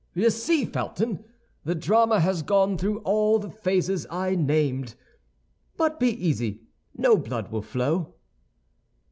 You see, Felton, the drama has gone through all the phases I named; but be easy, no blood will flow."